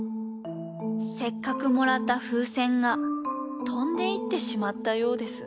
せっかくもらったふうせんがとんでいってしまったようです。